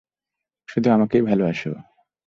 শুধু আমাকেই ভালোবাসে ও!